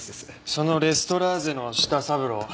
そのレストラーゼの舌三郎